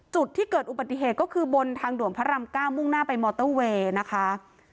จุดที่เกิดอุบัติเหตุก็คือบนทางด่วนพระราม๙มุ่งหน้าไปมอเตอร์เวย์นะคะ